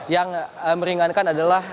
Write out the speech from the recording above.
yang meringankan adalah